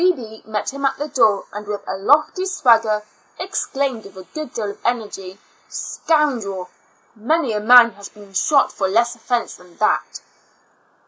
Bebee met him at the door, and with a lofty swagger, exclaimed, with a good deal of energy, " Scoundrel, many a man has been shot for a less offence than that."